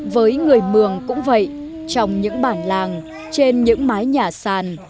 với người mường cũng vậy trong những bản làng trên những mái nhà sàn